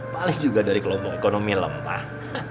paling juga dari kelompok ekonomi lempah